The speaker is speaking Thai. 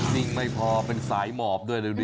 ดิงไม่พอเป็นสายหมอบด้วยดูดิ